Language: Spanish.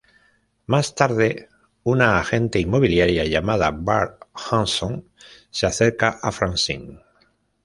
Más tarde, una agente inmobiliaria, llamada Barb Hanson, se acerca a Francine.